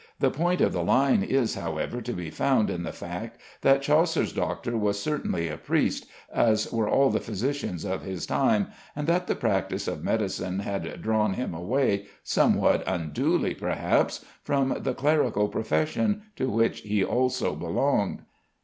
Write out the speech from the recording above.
The point of the line is, however, to be found in the fact that Chaucer's doctor was certainly a priest, as were all the physicians of his time, and that the practice of medicine had drawn him away, somewhat unduly perhaps, from the clerical profession, to which he also belonged.